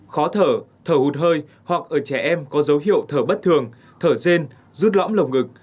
khó thở thở hụt hơi hoặc ở trẻ em có dấu hiệu thở bất thường thở rên rút lõm lồng ngực